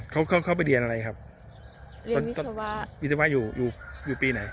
อืมเขาเข้าไปเรียนอะไรครับเรียนวิศวะวิศวะอยู่อยู่ปีไหน